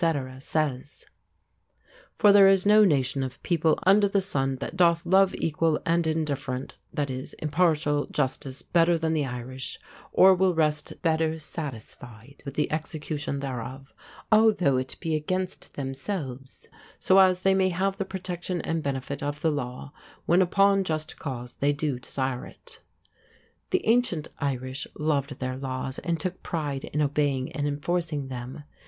_, says: "For there is no nation of people under the sunne that doth love equall and indifferent [= impartial] justice better than the Irish; or will rest better satisfied with the execution thereof, although it bee against themselves; so as they may have the protection and benefit of the law, when uppon just cause they do desire it." The ancient Irish loved their laws and took pride in obeying and enforcing them.